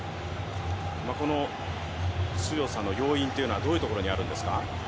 この強さの要因というのはどういう所にありますか？